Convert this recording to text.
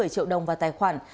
một mươi triệu đồng vào tài khoản